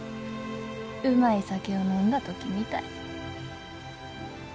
うまい酒を飲んだ時みたい。